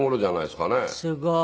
すごい。